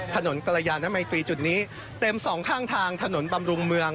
ถนนกรยานมัยตรีจุดนี้เต็มสองข้างทางถนนบำรุงเมือง